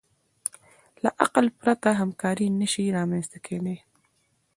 له عقل پرته همکاري نهشي رامنځ ته کېدی.